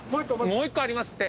もう１個ありますって。